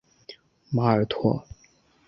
马尔托。